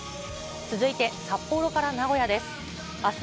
続いて札幌から名古屋です。